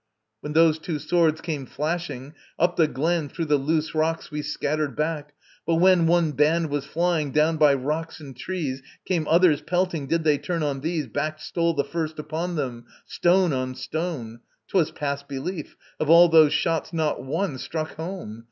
When those two swords came flashing, up the glen Through the loose rocks we scattered back; but when One band was flying, down by rocks and trees Came others pelting: did they turn on these, Back stole the first upon them, stone on stone. 'Twas past belief: of all those shots not one Struck home.